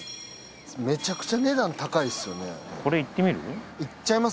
めちゃくちゃ値段高いですよね。